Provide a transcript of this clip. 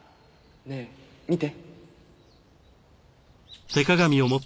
ねえ見て。